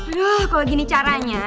aduh kalau gini caranya